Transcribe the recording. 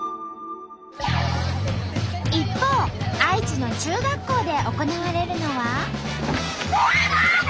一方愛知の中学校で行われるのは。